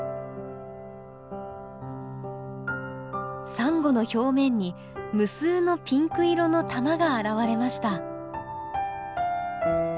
サンゴの表面に無数のピンク色の玉が現れました。